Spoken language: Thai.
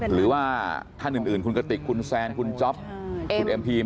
หรือว่าท่านอื่นคุณกติกคุณแซนคุณจ๊อปคุณเอ็มพีม